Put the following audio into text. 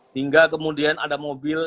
hingga kemudian ada mobil